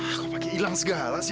aku pake ilang segala sih